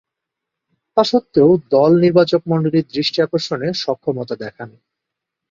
তাসত্ত্বেও দল নির্বাচকমণ্ডলীর দৃষ্টি আকর্ষণে সক্ষমতা দেখান।